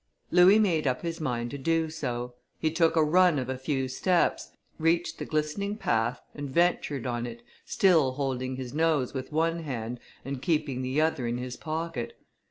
Louis made up his mind to do so; he took a run of a few steps, reached the glistening path, and ventured on it, still holding his nose with one hand and keeping the other in his pocket.